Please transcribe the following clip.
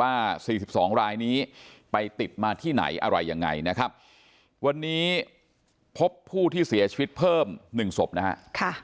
ว่า๔๒รายนี้ไปติดมาที่ไหนอะไรยังไงนะครับวันนี้พบผู้ที่เสียชีวิตเพิ่ม๑ศพนะฮะ